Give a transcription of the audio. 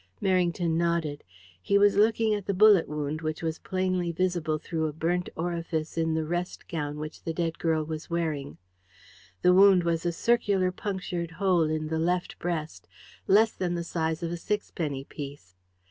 Merrington nodded. He was looking at the bullet wound, which was plainly visible through a burnt orifice in the rest gown which the dead girl was wearing. The wound was a circular punctured hole in the left breast, less than the size of a sixpenny piece.